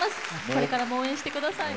これからも応援してください。